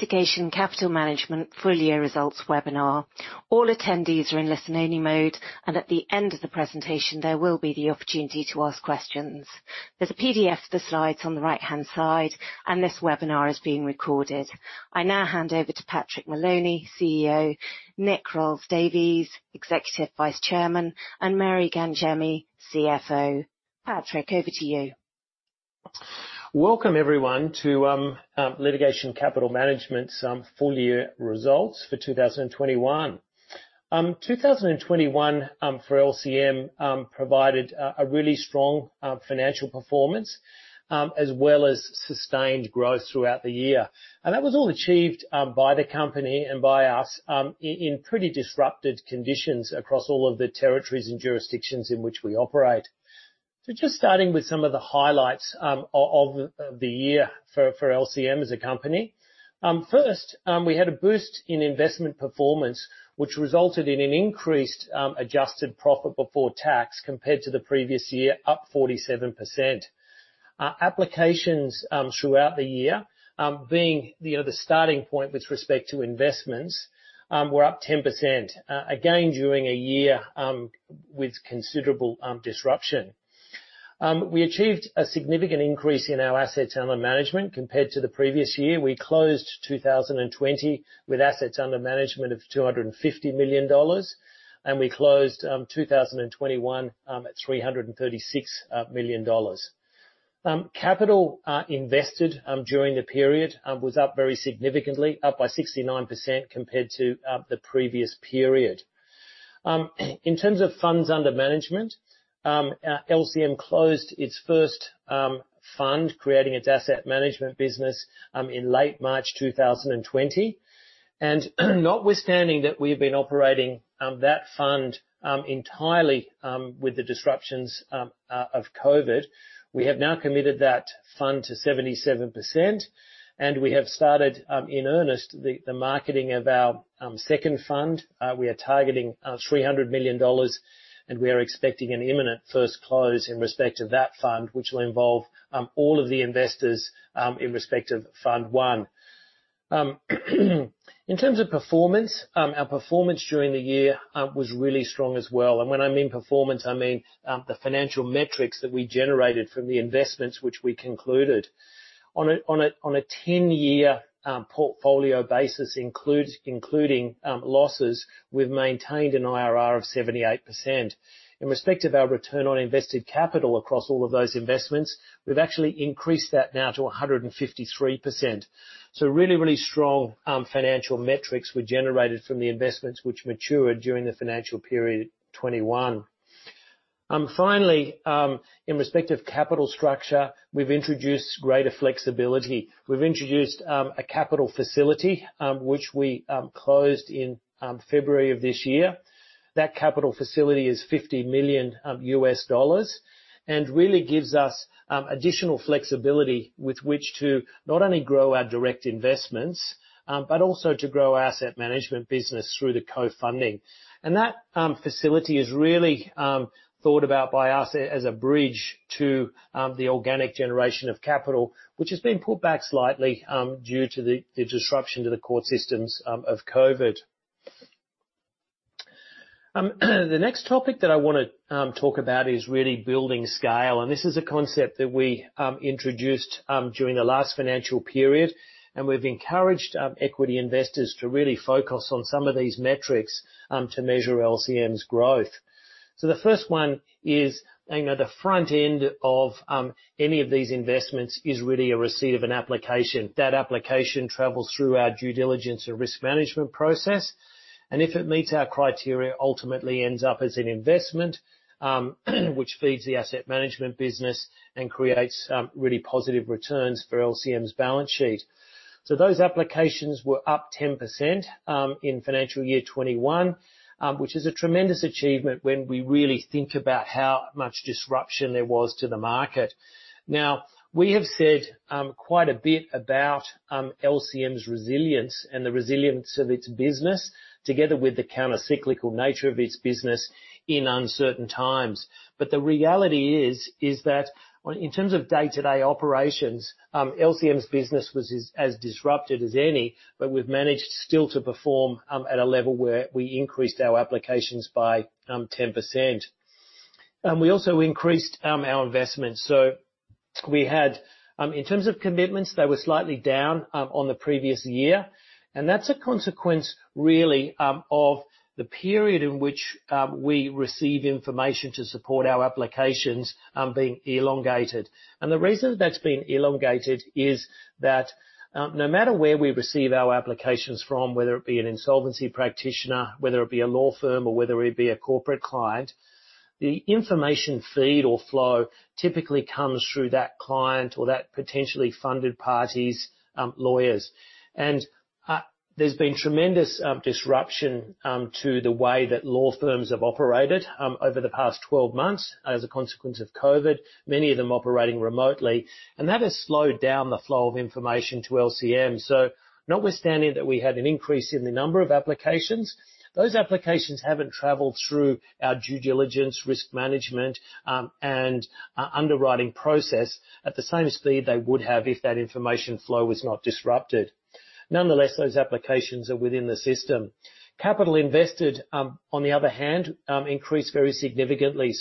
Litigation Capital Management full year results webinar. All attendees are in listen-only mode, and at the end of the presentation, there will be the opportunity to ask questions. There's a PDF of the slides on the right-hand side, and this webinar is being recorded. I now hand over to Patrick Moloney, CEO, Nick Rowles-Davies, Executive Vice Chairman, and Mary Gangemi, CFO. Patrick, over to you. Welcome everyone to Litigation Capital Management's full year results for 2021. 2021, for LCM, provided a really strong financial performance, as well as sustained growth throughout the year. That was all achieved by the company and by us in pretty disrupted conditions across all of the territories and jurisdictions in which we operate. Just starting with some of the highlights of the year for LCM as a company. First, we had a boost in investment performance, which resulted in an increased adjusted profit before tax compared to the previous year, up 47%. Applications throughout the year, being the starting point with respect to investments, were up 10%, again, during a year with considerable disruption. We achieved a significant increase in our assets under management compared to the previous year. We closed 2020 with assets under management of 250 million dollars, and we closed 2021 at 336 million dollars. Capital invested during the period was up very significantly, up by 69% compared to the previous period. In terms of funds under management, LCM closed its first fund, creating its asset management business in late March 2020. Notwithstanding that we've been operating that fund entirely with the disruptions of COVID, we have now committed that fund to 77%, and we have started in earnest the marketing of our second fund. We are targeting 300 million dollars, we are expecting an imminent first close in respect to that fund, which will involve all of the investors in respect of Fund I. In terms of performance, our performance during the year was really strong as well. When I mean performance, I mean the financial metrics that we generated from the investments which we concluded. On a 10-year portfolio basis, including losses, we've maintained an IRR of 78%. In respect of our return on invested capital across all of those investments, we've actually increased that now to 153%. Really strong financial metrics were generated from the investments which matured during the financial period 2021. Finally, in respect of capital structure, we've introduced greater flexibility. We've introduced a capital facility, which we closed in February of this year. That capital facility is $50 million, really gives us additional flexibility with which to not only grow our direct investments, but also to grow our asset management business through the co-funding. That facility is really thought about by us as a bridge to the organic generation of capital, which has been pulled back slightly due to the disruption to the court systems of COVID. The next topic that I want to talk about is really building scale, and this is a concept that we introduced during the last financial period. We've encouraged equity investors to really focus on some of these metrics to measure LCM's growth. The first one is the front end of any of these investments is really a receipt of an application. That application travels through our due diligence and risk management process, and if it meets our criteria, ultimately ends up as an investment, which feeds the asset management business and creates really positive returns for LCM's balance sheet. Those applications were up 10% in financial year 2021, which is a tremendous achievement when we really think about how much disruption there was to the market. Now, we have said quite a bit about LCM's resilience and the resilience of its business, together with the counter-cyclical nature of its business in uncertain times. The reality is that in terms of day-to-day operations, LCM's business was as disrupted as any, but we've managed still to perform at a level where we increased our applications by 10%. We also increased our investments. We had, in terms of commitments, they were slightly down on the previous year. That's a consequence, really, of the period in which we receive information to support our applications being elongated. The reason that's been elongated is that no matter where we receive our applications from, whether it be an insolvency practitioner, whether it be a law firm, or whether it be a corporate client, the information feed or flow typically comes through that client or that potentially funded party's lawyers. There's been tremendous disruption to the way that law firms have operated over the past 12 months as a consequence of COVID, many of them operating remotely. That has slowed down the flow of information to LCM. Notwithstanding that we had an increase in the number of applications, those applications haven't traveled through our due diligence, risk management, and underwriting process at the same speed they would have if that information flow was not disrupted. Nonetheless, those applications are within the system. Capital invested, on the other hand, increased very significantly.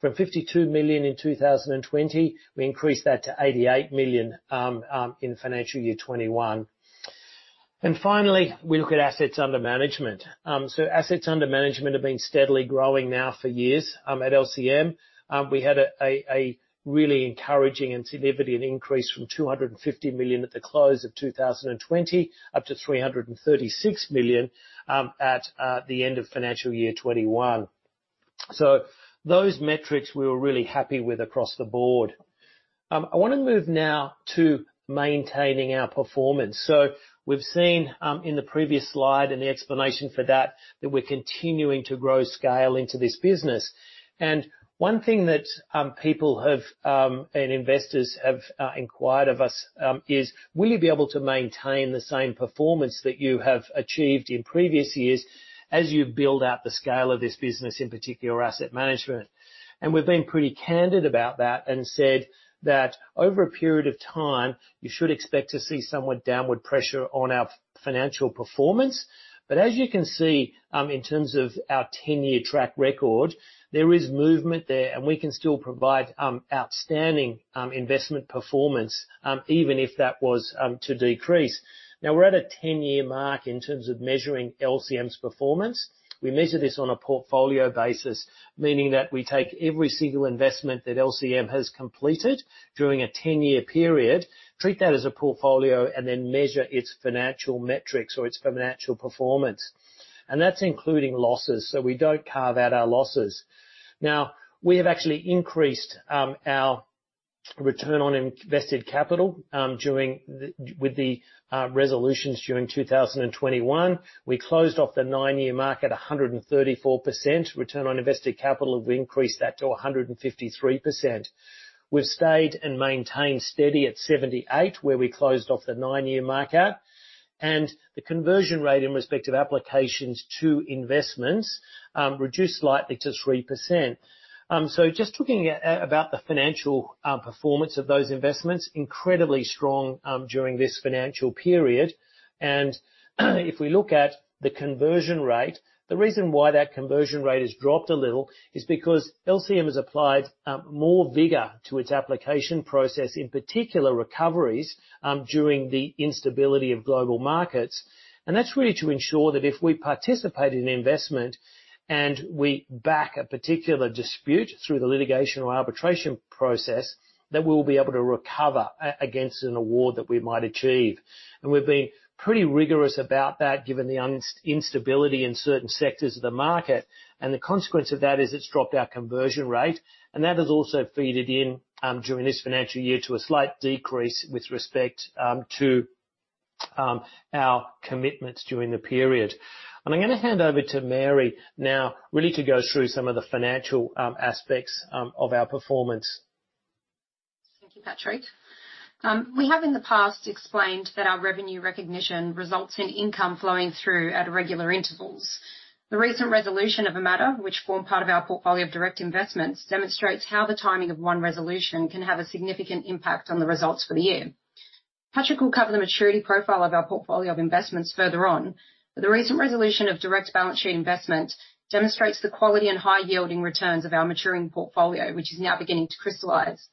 From 52 million in 2020, we increased that to 88 million in FY 2021. Finally, we look at assets under management. Assets under management have been steadily growing now for years at LCM. We had a really encouraging and significant increase from 250 million at the close of 2020 up to 336 million at the end of FY 2021. Those metrics, we were really happy with across the board. I want to move now to maintaining our performance. We've seen in the previous slide and the explanation for that we're continuing to grow scale into this business. One thing that people have, and investors have inquired of us is, will you be able to maintain the same performance that you have achieved in previous years as you build out the scale of this business, in particular asset management? We've been pretty candid about that and said that over a period of time, you should expect to see somewhat downward pressure on our financial performance. As you can see, in terms of our 10-year track record, there is movement there, and we can still provide outstanding investment performance, even if that was to decrease. Now we're at a 10-year mark in terms of measuring LCM's performance. We measure this on a portfolio basis, meaning that we take every single investment that LCM has completed during a 10-year period, treat that as a portfolio, and then measure its financial metrics or its financial performance. That's including losses. We don't carve out our losses. Now, we have actually increased our return on invested capital with the resolutions during 2021. We closed off the nine-year mark at 134% return on invested capital. We've increased that to 153%. We've stayed and maintained steady at 78, where we closed off the nine-year mark at. The conversion rate in respect of applications to investments, reduced slightly to 3%. Just talking about the financial performance of those investments, incredibly strong during this financial period. If we look at the conversion rate, the reason why that conversion rate has dropped a little is because LCM has applied more vigor to its application process, in particular recoveries, during the instability of global markets. That's really to ensure that if we participate in an investment and we back a particular dispute through the litigation or arbitration process, that we'll be able to recover against an award that we might achieve. We've been pretty rigorous about that given the instability in certain sectors of the market. The consequence of that is it's dropped our conversion rate, and that has also fed in, during this financial year to a slight decrease with respect to our commitments during the period. I'm going to hand over to Mary now really to go through some of the financial aspects of our performance. Thank you, Patrick. We have in the past explained that our revenue recognition results in income flowing through at regular intervals. The recent resolution of a matter which formed part of our portfolio of direct investments, demonstrates how the timing of one resolution can have a significant impact on the results for the year. Patrick will cover the maturity profile of our portfolio of investments further on. The recent resolution of direct balance sheet investment demonstrates the quality and high yielding returns of our maturing portfolio, which is now beginning to crystallize.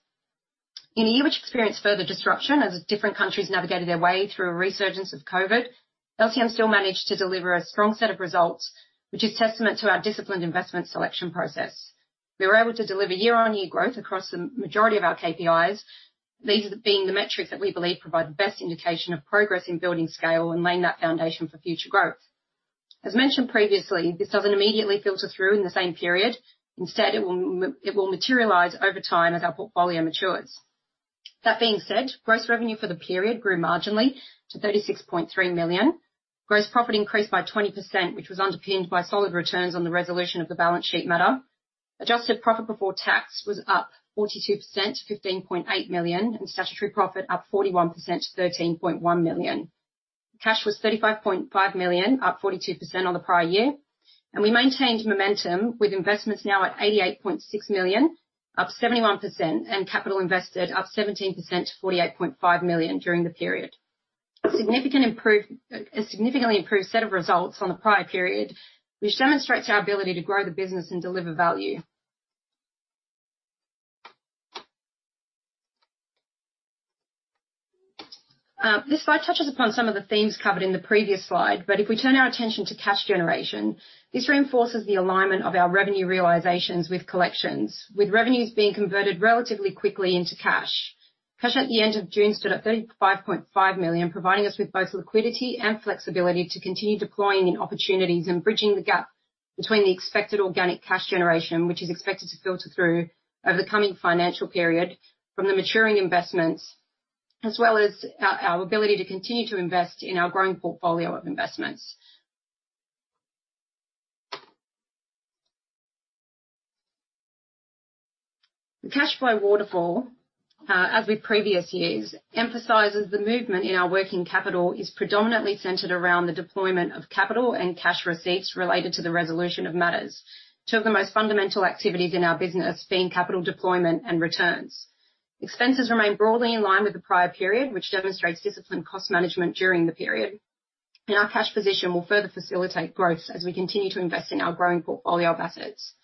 In a year which experienced further disruption as different countries navigated their way through a resurgence of COVID, LCM still managed to deliver a strong set of results, which is testament to our disciplined investment selection process. We were able to deliver year-on-year growth across the majority of our KPIs. These being the metrics that we believe provide the best indication of progress in building scale and laying that foundation for future growth. As mentioned previously, this doesn't immediately filter through in the same period. Instead, it will materialize over time as our portfolio matures. That being said, gross revenue for the period grew marginally to 36.3 million. Gross profit increased by 20%, which was underpinned by solid returns on the resolution of the balance sheet matter. Adjusted profit before tax was up 42% to 15.8 million, and statutory profit up 41% to 13.1 million. Cash was 35.5 million, up 42% on the prior year. We maintained momentum with investments now at 88.6 million, up 71%, and capital invested up 17% to 48.5 million during the period. A significantly improved set of results on the prior period, which demonstrates our ability to grow the business and deliver value. This slide touches upon some of the themes covered in the previous slide. If we turn our attention to cash generation, this reinforces the alignment of our revenue realizations with collections, with revenues being converted relatively quickly into cash. Cash at the end of June stood at 35.5 million, providing us with both liquidity and flexibility to continue deploying in opportunities and bridging the gap between the expected organic cash generation, which is expected to filter through over the coming financial period from the maturing investments, as well as our ability to continue to invest in our growing portfolio of investments. The cash flow waterfall, as with previous years, emphasizes the movement in our working capital is predominantly centered around the deployment of capital and cash receipts related to the resolution of matters. Two of the most fundamental activities in our business being capital deployment and returns. Expenses remain broadly in line with the prior period, which demonstrates disciplined cost management during the period. Our cash position will further facilitate growth as we continue to invest in our growing portfolio of assets.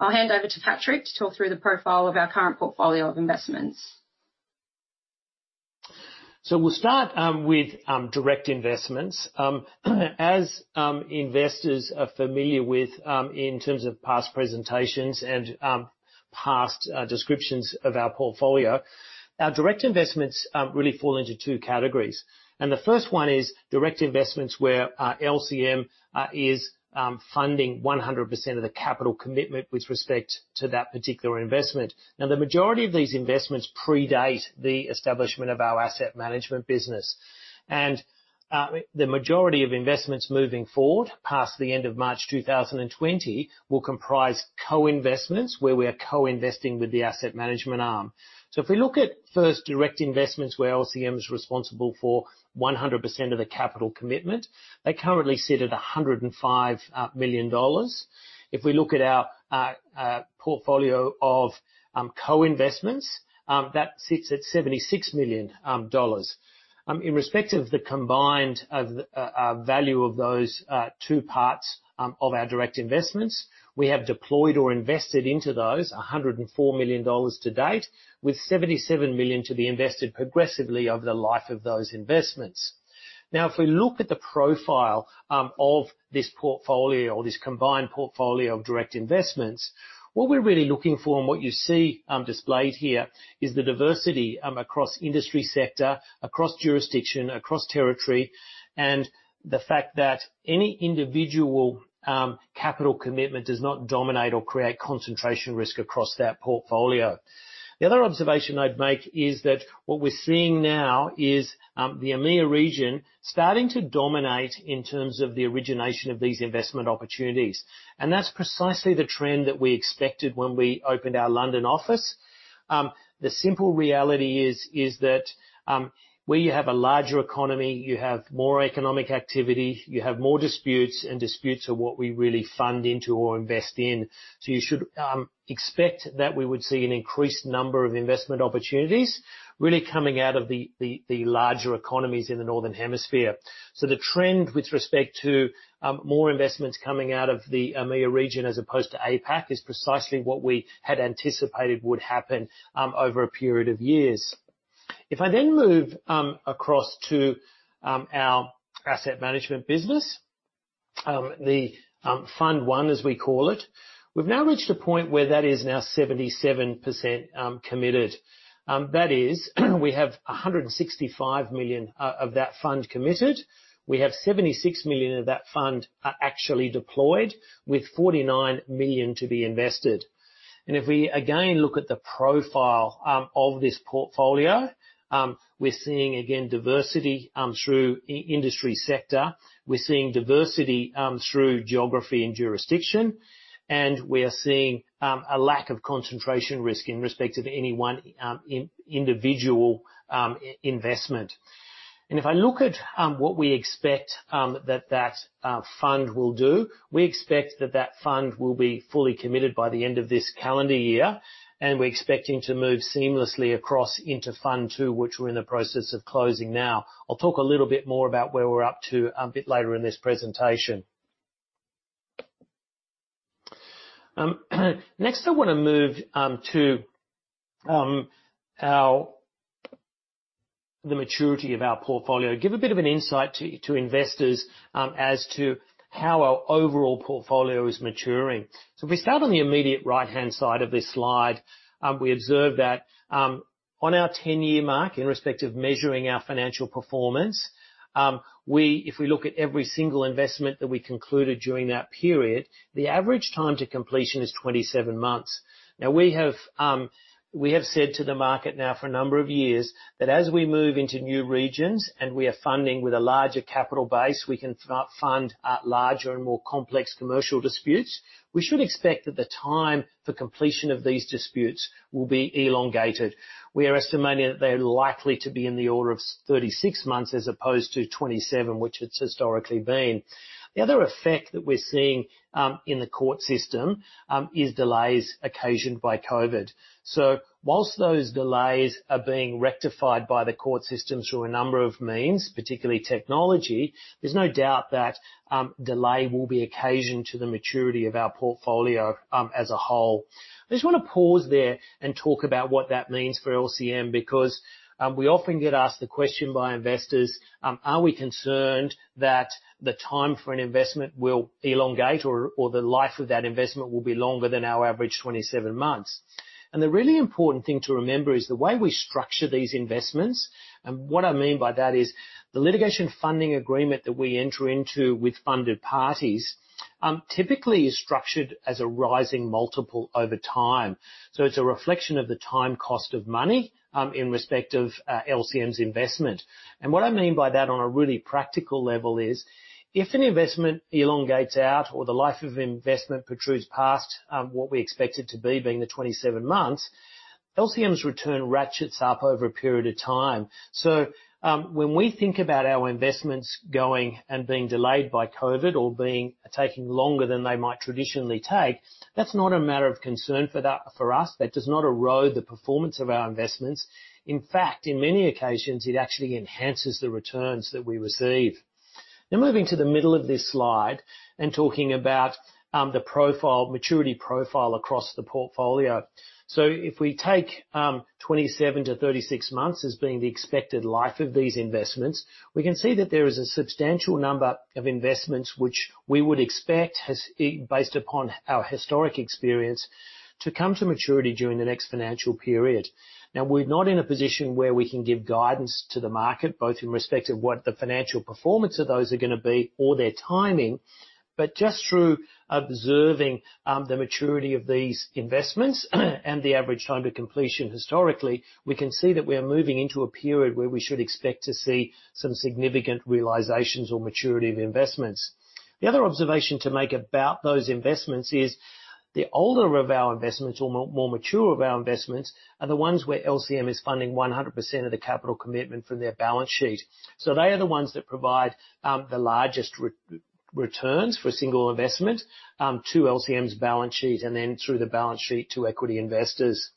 I'll hand over to Patrick to talk through the profile of our current portfolio of investments. We'll start with direct investments. As investors are familiar with, in terms of past presentations and past descriptions of our portfolio, our direct investments really fall into two categories. The first one is direct investments where LCM is funding 100% of the capital commitment with respect to that particular investment. Now, the majority of these investments predate the establishment of our asset management business. The majority of investments moving forward, past the end of March 2020, will comprise co-investments where we are co-investing with the asset management arm. If we look at first direct investments where LCM is responsible for 100% of the capital commitment, they currently sit at 105 million dollars. If we look at our portfolio of co-investments, that sits at 76 million dollars. In respect of the combined value of those two parts of our direct investments, we have deployed or invested into those 104 million dollars to date, with 77 million to be invested progressively over the life of those investments. If we look at the profile of this portfolio or this combined portfolio of direct investments, what we're really looking for and what you see displayed here is the diversity across industry sector, across jurisdiction, across territory, and the fact that any individual capital commitment does not dominate or create concentration risk across that portfolio. The other observation I'd make is that what we're seeing now is the EMEIA region starting to dominate in terms of the origination of these investment opportunities. That's precisely the trend that we expected when we opened our London office. The simple reality is that where you have a larger economy, you have more economic activity, you have more disputes, and disputes are what we really fund into or invest in. You should expect that we would see an increased number of investment opportunities really coming out of the larger economies in the northern hemisphere. The trend with respect to more investments coming out of the EMEIA region as opposed to APAC is precisely what we had anticipated would happen over a period of years. If I move across to our asset management business, Fund I, as we call it, we've now reached a point where that is now 77% committed. That is, we have 165 million of that fund committed. We have 76 million of that fund actually deployed, with 49 million to be invested. If we again look at the profile of this portfolio, we're seeing, again, diversity through industry sector. We're seeing diversity through geography and jurisdiction, and we are seeing a lack of concentration risk in respect of any one individual investment. If I look at what we expect that that fund will do, we expect that that fund will be fully committed by the end of this calendar year, and we're expecting to move seamlessly across into Fund II, which we're in the process of closing now. I'll talk a little bit more about where we're up to a bit later in this presentation. Next, I want to move to the maturity of our portfolio, give a bit of an insight to investors as to how our overall portfolio is maturing. If we start on the immediate right-hand side of this slide, we observe that on our 10-year mark, in respect of measuring our financial performance, if we look at every single investment that we concluded during that period, the average time to completion is 27 months. We have said to the market now for a number of years that as we move into new regions and we are funding with a larger capital base, we can fund larger and more complex commercial disputes. We should expect that the time for completion of these disputes will be elongated. We are estimating that they're likely to be in the order of 36 months as opposed to 27, which it's historically been. The other effect that we're seeing in the court system is delays occasioned by COVID. Whilst those delays are being rectified by the court system through a number of means, particularly technology, there's no doubt that delay will be occasioned to the maturity of our portfolio as a whole. I just want to pause there and talk about what that means for LCM, because we often get asked the question by investors, are we concerned that the time for an investment will elongate or the life of that investment will be longer than our average 27 months? The really important thing to remember is the way we structure these investments, and what I mean by that is the litigation funding agreement that we enter into with funded parties, typically is structured as a rising multiple over time. It's a reflection of the time cost of money in respect of LCM's investment. What I mean by that on a really practical level is if an investment elongates out or the life of investment protrudes past what we expect it to be, being the 27 months, LCM's return ratchets up over a period of time. When we think about our investments going and being delayed by COVID or taking longer than they might traditionally take, that's not a matter of concern for us. That does not erode the performance of our investments. In fact, in many occasions, it actually enhances the returns that we receive. Moving to the middle of this slide and talking about the maturity profile across the portfolio. If we take 27-36 months as being the expected life of these investments, we can see that there is a substantial number of investments which we would expect, based upon our historic experience, to come to maturity during the next financial period. We're not in a position where we can give guidance to the market, both in respect of what the financial performance of those are going to be or their timing, but just through observing the maturity of these investments and the average time to completion historically, we can see that we are moving into a period where we should expect to see some significant realizations or maturity of investments. The other observation to make about those investments is the older of our investments, or more mature of our investments, are the ones where LCM is funding 100% of the capital commitment from their balance sheet. They are the ones that provide the largest returns for a single investment to LCM's balance sheet, and then through the balance sheet to equity investors.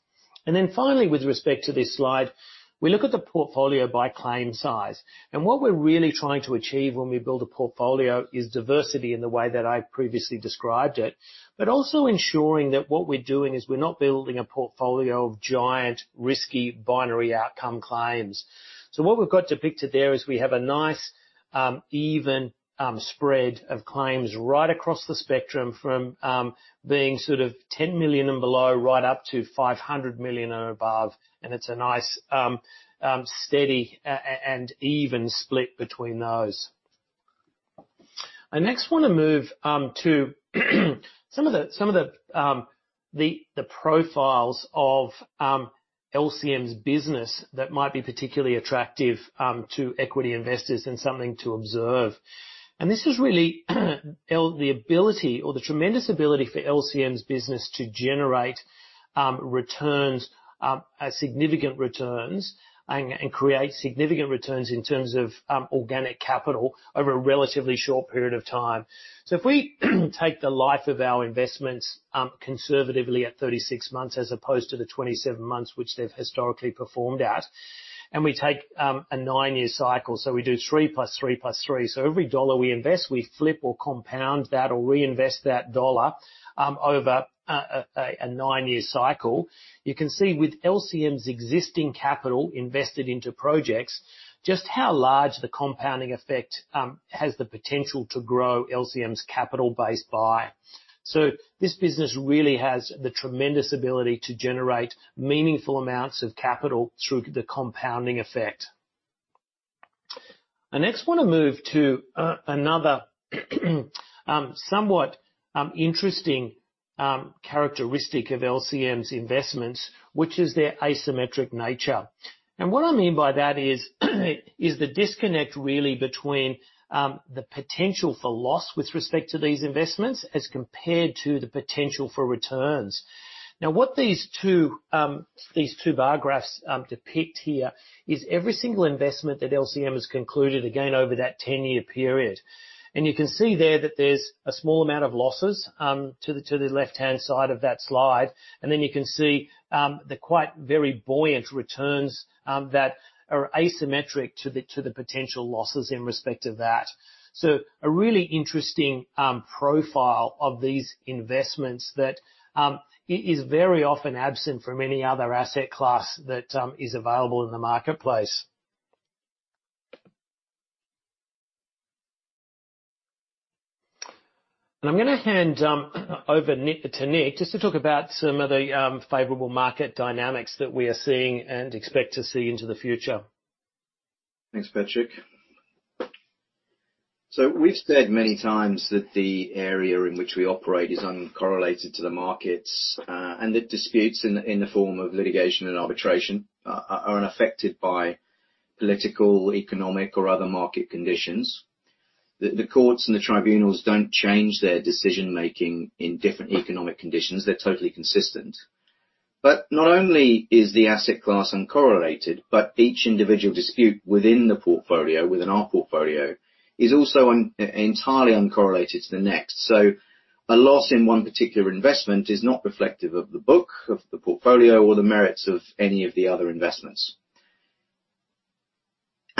Finally, with respect to this slide, we look at the portfolio by claim size. What we're really trying to achieve when we build a portfolio is diversity in the way that I previously described it, but also ensuring that what we're doing is we're not building a portfolio of giant, risky, binary outcome claims. What we've got depicted there is we have a nice even spread of claims right across the spectrum from being sort of 10 million and below right up to 500 million and above, and it is a nice steady and even split between those. I next want to move to some of the profiles of LCM's business that might be particularly attractive to equity investors and something to observe. This is really the ability or the tremendous ability for LCM's business to generate significant returns and create significant returns in terms of organic capital over a relatively short period of time. If we take the life of our investments conservatively at 36 months as opposed to the 27 months which they have historically performed at, and we take a nine-year cycle. We do 3+3+3. Every dollar we invest, we flip or compound that or reinvest that dollar over a nine-year cycle. You can see with LCM's existing capital invested into projects, just how large the compounding effect has the potential to grow LCM's capital base by. This business really has the tremendous ability to generate meaningful amounts of capital through the compounding effect. I next want to move to another somewhat interesting characteristic of LCM's investments, which is their asymmetric nature. What I mean by that is the disconnect, really, between the potential for loss with respect to these investments as compared to the potential for returns. What these two bar graphs depict here is every single investment that LCM has concluded, again, over that 10-year period. You can see there that there's a small amount of losses to the left-hand side of that slide, then you can see the quite very buoyant returns that are asymmetric to the potential losses in respect to that. A really interesting profile of these investments that is very often absent from any other asset class that is available in the marketplace. I'm going to hand over to Nick just to talk about some of the favorable market dynamics that we are seeing and expect to see into the future. Thanks, Patrick. We've said many times that the area in which we operate is uncorrelated to the markets, and that disputes in the form of litigation and arbitration are unaffected by political, economic, or other market conditions. The courts and the tribunals don't change their decision-making in different economic conditions. They're totally consistent. Not only is the asset class uncorrelated, but each individual dispute within the portfolio, within our portfolio, is also entirely uncorrelated to the next. A loss in one particular investment is not reflective of the book, of the portfolio, or the merits of any of the other investments.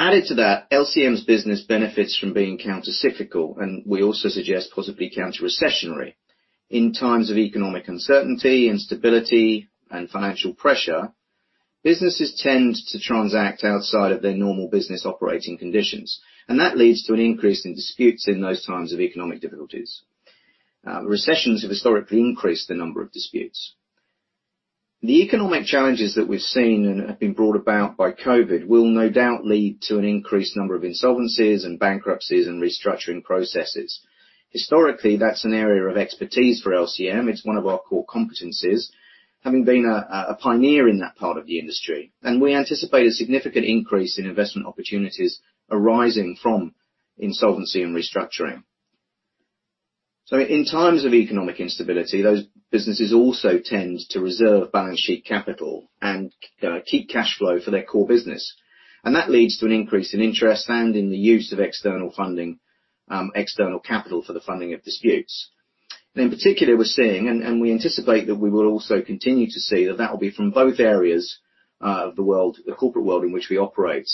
Added to that, LCM's business benefits from being countercyclical, and we also suggest possibly counter-recessionary. In times of economic uncertainty, instability, and financial pressure, businesses tend to transact outside of their normal business operating conditions, and that leads to an increase in disputes in those times of economic difficulties. Recessions have historically increased the number of disputes. The economic challenges that we've seen and have been brought about by COVID will no doubt lead to an increased number of insolvencies and bankruptcies and restructuring processes. Historically, that's an area of expertise for LCM. It's one of our core competencies, having been a pioneer in that part of the industry, and we anticipate a significant increase in investment opportunities arising from insolvency and restructuring. In times of economic instability, those businesses also tend to reserve balance sheet capital and keep cash flow for their core business. That leads to an increase in interest and in the use of external funding, external capital for the funding of disputes. In particular, we're seeing, and we anticipate that we will also continue to see, that will be from both areas of the corporate world in which we operate.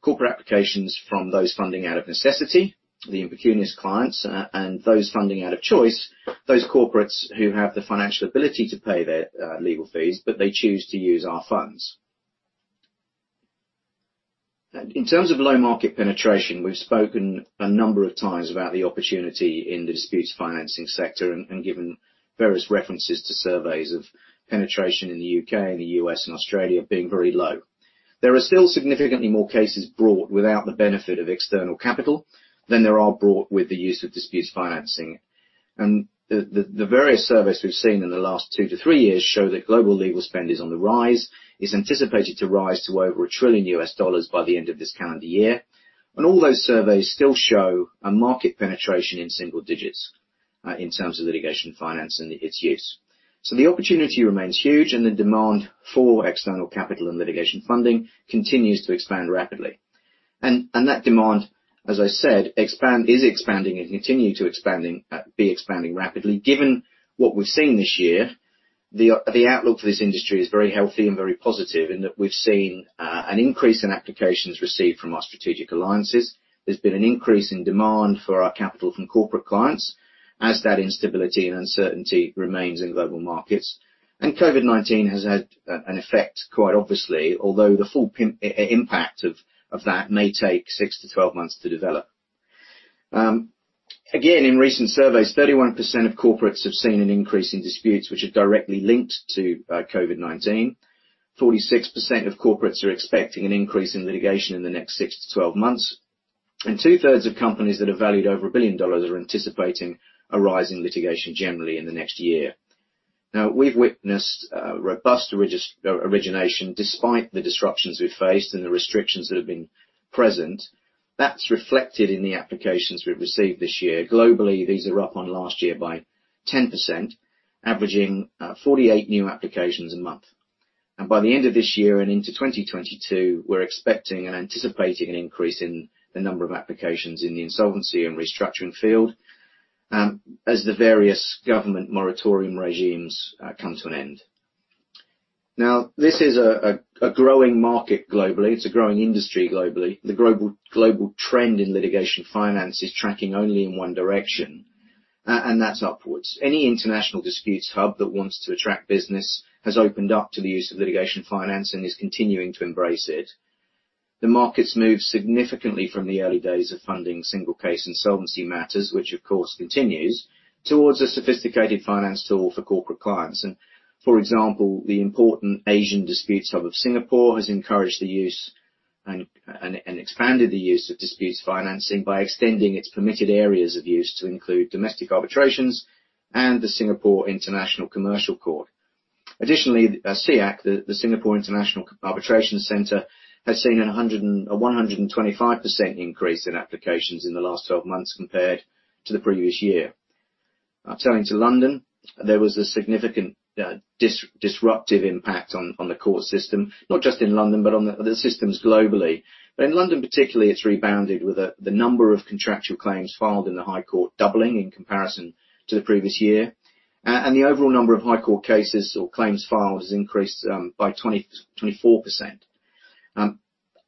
Corporate applications from those funding out of necessity, the impecunious clients, and those funding out of choice, those corporates who have the financial ability to pay their legal fees, but they choose to use our funds. In terms of low market penetration, we've spoken a number of times about the opportunity in the disputes financing sector and given various references to surveys of penetration in the U.K., and the U.S., and Australia being very low. There are still significantly more cases brought without the benefit of external capital than there are brought with the use of disputes financing. The various surveys we've seen in the last two to three years show that global legal spend is on the rise. It's anticipated to rise to over $1 trillion by the end of this calendar year. All those surveys still show a market penetration in single digits, in terms of litigation finance and its use. The opportunity remains huge, and the demand for external capital and litigation funding continues to expand rapidly. That demand, as I said, is expanding rapidly. Given what we've seen this year, the outlook for this industry is very healthy and very positive in that we've seen an increase in applications received from our strategic alliances. There's been an increase in demand for our capital from corporate clients as that instability and uncertainty remains in global markets. COVID-19 has had an effect quite obviously. Although the full impact of that may take 6-12 months to develop. Again, in recent surveys, 31% of corporates have seen an increase in disputes which are directly linked to COVID-19. 46% of corporates are expecting an increase in litigation in the next 6-12 months. Two-third of companies that are valued over a billion dollars are anticipating a rise in litigation generally in the next year. We've witnessed robust origination despite the disruptions we've faced and the restrictions that have been present. That's reflected in the applications we've received this year. Globally, these are up on last year by 10%, averaging 48 new applications a month. By the end of this year and into 2022, we're expecting and anticipating an increase in the number of applications in the insolvency and restructuring field as the various government moratorium regimes come to an end. This is a growing market globally. It's a growing industry globally. The global trend in litigation finance is tracking only in one direction, and that's upwards. Any international disputes hub that wants to attract business has opened up to the use of litigation finance and is continuing to embrace it. The market's moved significantly from the early days of funding single case insolvency matters, which of course continues, towards a sophisticated finance tool for corporate clients. For example, the important Asian disputes hub of Singapore has encouraged the use and expanded the use of disputes financing by extending its permitted areas of use to include domestic arbitrations and the Singapore International Commercial Court. Additionally, SIAC, the Singapore International Arbitration Centre, has seen a 125% increase in applications in the last 12 months compared to the previous year. Turning to London, there was a significant disruptive impact on the court system. Not just in London, but on the systems globally. In London particularly, it's rebounded with the number of contractual claims filed in the High Court doubling in comparison to the previous year. The overall number of High Court cases or claims filed has increased by 24%.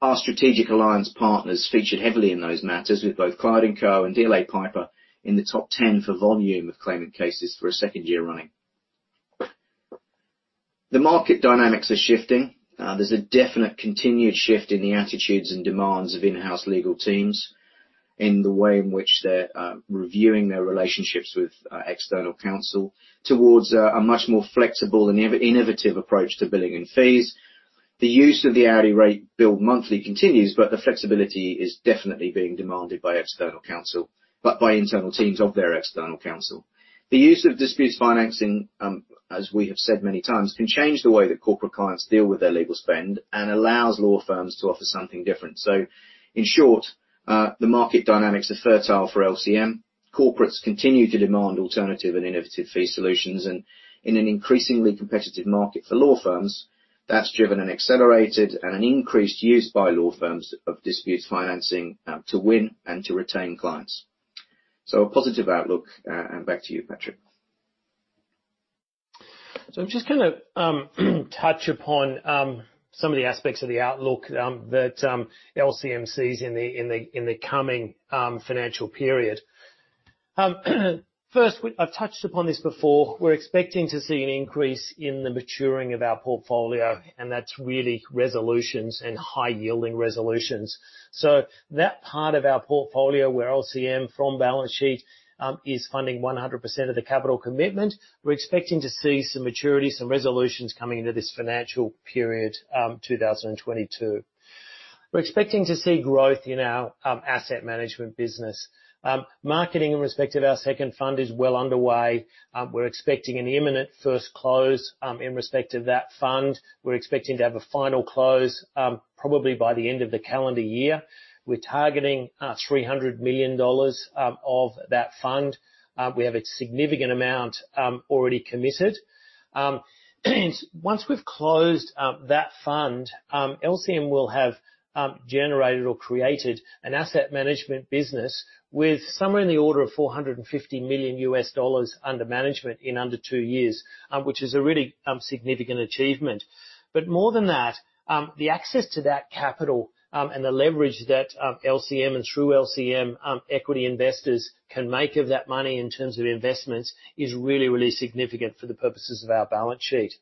Our strategic alliance partners featured heavily in those matters, with both Clyde & Co and DLA Piper in the top 10 for volume of claimant cases for a second year running. The market dynamics are shifting. There's a definite continued shift in the attitudes and demands of in-house legal teams in the way in which they're reviewing their relationships with external counsel towards a much more flexible and innovative approach to billing and fees. The use of the hourly rate bill monthly continues, but the flexibility is definitely being demanded by internal teams of their external counsel. The use of disputes financing, as we have said many times, can change the way that corporate clients deal with their legal spend and allows law firms to offer something different. In short, the market dynamics are fertile for LCM. Corporates continue to demand alternative and innovative fee solutions. In an increasingly competitive market for law firms, that's driven an accelerated and an increased use by law firms of disputes financing to win and to retain clients. A positive outlook. Back to you, Patrick. I'm just gonna touch upon some of the aspects of the outlook that LCM sees in the coming financial period. First, I've touched upon this before. We're expecting to see an increase in the maturing of our portfolio, and that's really resolutions and high-yielding resolutions. That part of our portfolio where LCM from balance sheet is funding 100% of the capital commitment, we're expecting to see some maturity, some resolutions coming into this financial period, 2022. We're expecting to see growth in our asset management business. Marketing in respect of our second fund is well underway. We're expecting an imminent first close in respect of that fund. We're expecting to have a final close probably by the end of the calendar year. We're targeting 300 million dollars of that fund. We have a significant amount already committed. Once we've closed that fund, LCM will have generated or created an asset management business with somewhere in the order of $450 million under management in under two years, which is a really significant achievement. More than that, the access to that capital and the leverage that LCM and through LCM equity investors can make of that money in terms of investments is really, really significant for the purposes of our balance sheet.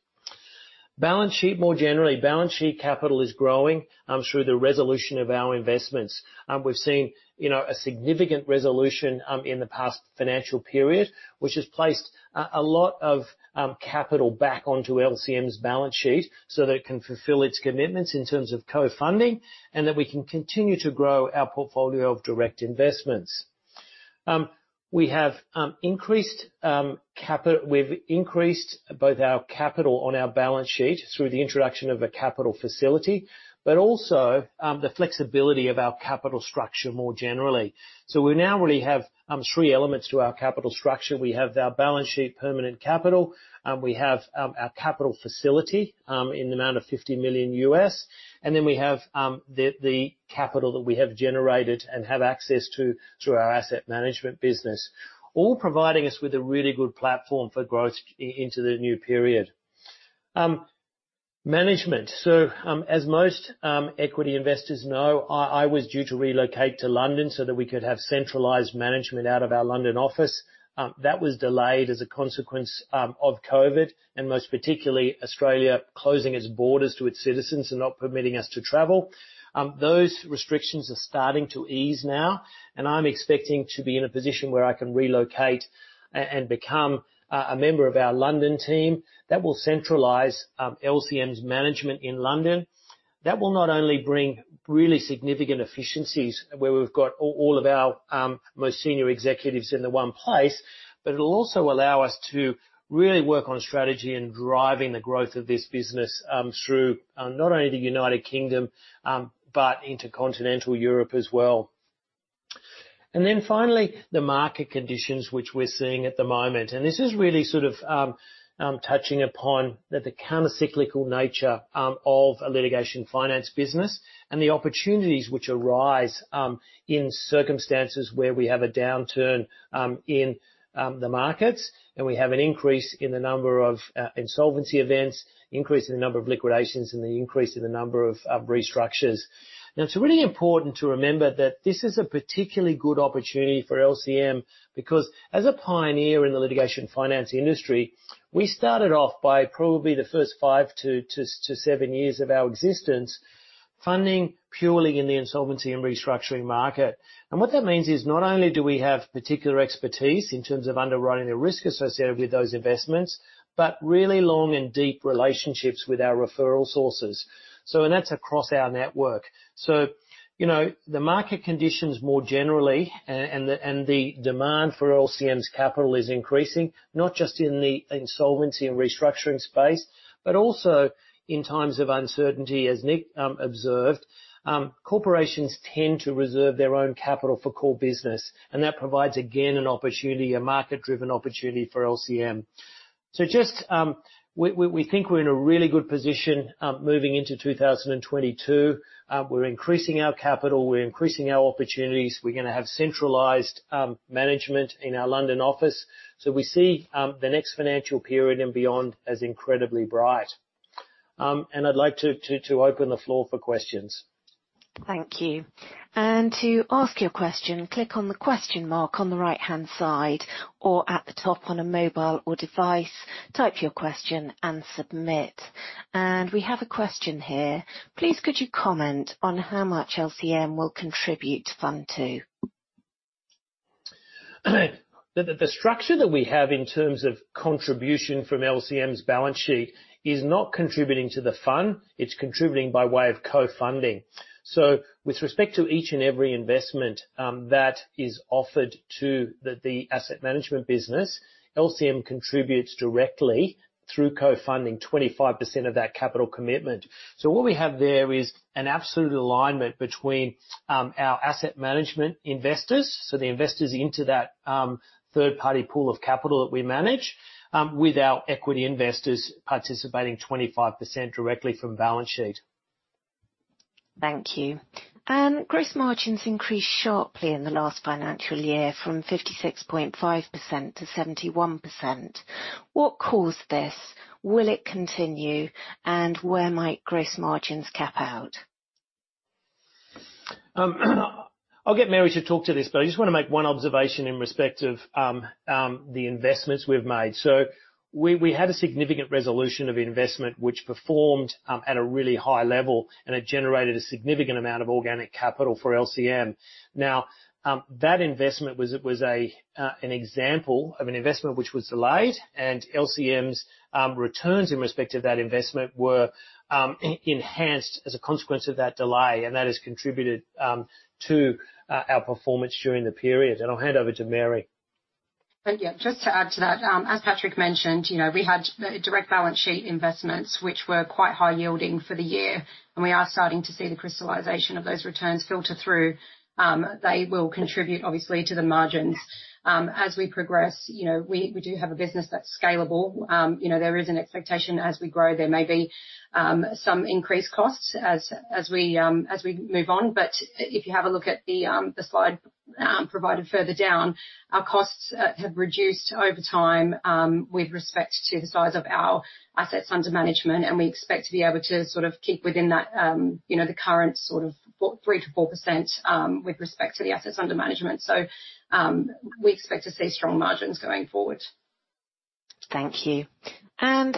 Balance sheet more generally. Balance sheet capital is growing through the resolution of our investments. We've seen a significant resolution in the past financial period, which has placed a lot of capital back onto LCM's balance sheet so that it can fulfill its commitments in terms of co-funding, and that we can continue to grow our portfolio of direct investments. We've increased both our capital on our balance sheet through the introduction of a capital facility, but also the flexibility of our capital structure more generally. We now really have three elements to our capital structure. We have our balance sheet permanent capital, we have our capital facility in the amount of $50 million, and then we have the capital that we have generated and have access to through our asset management business, all providing us with a really good platform for growth into the new period. Management. As most equity investors know, I was due to relocate to London so that we could have centralized management out of our London office. That was delayed as a consequence of COVID, and most particularly, Australia closing its borders to its citizens and not permitting us to travel. Those restrictions are starting to ease now, and I'm expecting to be in a position where I can relocate and become a member of our London team. That will centralize LCM's management in London. That will not only bring really significant efficiencies where we've got all of our most senior executives into one place, but it'll also allow us to really work on strategy and driving the growth of this business through not only the U.K., but Continental Europe as well. Finally, the market conditions which we're seeing at the moment, and this is really touching upon the counter-cyclical nature of a litigation finance business and the opportunities which arise in circumstances where we have a downturn in the markets, and we have an increase in the number of insolvency events, increase in the number of liquidations, and the increase in the number of restructures. It's really important to remember that this is a particularly good opportunity for LCM because as a pioneer in the litigation finance industry, we started off by probably the first five to seven years of our existence, funding purely in the insolvency and restructuring market. What that means is not only do we have particular expertise in terms of underwriting the risk associated with those investments, but really long and deep relationships with our referral sources. That's across our network. The market conditions more generally and the demand for LCM's capital is increasing, not just in the insolvency and restructuring space, but also in times of uncertainty, as Nick observed. Corporations tend to reserve their own capital for core business, and that provides, again, an opportunity, a market-driven opportunity for LCM. Just, we think we're in a really good position moving into 2022. We're increasing our capital, we're increasing our opportunities. We're going to have centralized management in our London office. We see the next financial period and beyond as incredibly bright. I'd like to open the floor for questions. Thank you. To ask your question, click on the question mark on the right-hand side or at the top on a mobile or device, type your question and submit. We have a question here. Please, could you comment on how much LCM will contribute Fund II? The structure that we have in terms of contribution from LCM's balance sheet is not contributing to the fund. It is contributing by way of co-funding. With respect to each and every investment that is offered to the asset management business, LCM contributes directly through co-funding 25% of that capital commitment. What we have there is an absolute alignment between our asset management investors, so the investors into that third-party pool of capital that we manage, with our equity investors participating 25% directly from balance sheet. Thank you. Gross margins increased sharply in the last financial year from 56.5%-71%. What caused this? Will it continue? Where might gross margins cap out? I'll get Mary to talk to this, but I just want to make one observation in respect of the investments we've made. We had a significant resolution of investment which performed at a really high level, and it generated a significant amount of organic capital for LCM. That investment was an example of an investment which was delayed and LCM's returns in respect to that investment were enhanced as a consequence of that delay, and that has contributed to our performance during the period. I'll hand over to Mary. Yeah, just to add to that, as Patrick mentioned, we had direct balance sheet investments, which were quite high yielding for the year. We are starting to see the crystallization of those returns filter through. They will contribute, obviously, to the margins. As we progress, we do have a business that's scalable. There is an expectation as we grow, there may be some increased costs as we move on. If you have a look at the slide provided further down, our costs have reduced over time with respect to the size of our assets under management. We expect to be able to keep within the current 3%-4% with respect to the assets under management. We expect to see strong margins going forward. Thank you. As